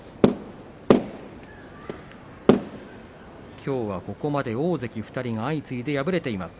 きょうはここまで大関２人が相次いで敗れています。